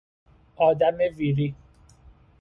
آدم ویری